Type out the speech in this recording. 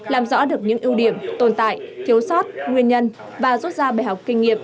làm rõ được những ưu điểm tồn tại thiếu sót nguyên nhân và rút ra bài học kinh nghiệm